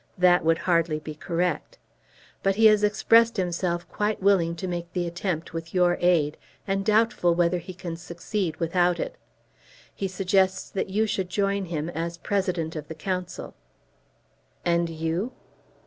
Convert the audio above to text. That would hardly be correct. But he has expressed himself quite willing to make the attempt with your aid, and doubtful whether he can succeed without it. He suggests that you should join him as President of the Council." "And you?"